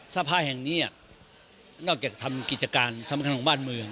สภาแห่งนี้นอกจากทำกิจการสำคัญของบ้านเมือง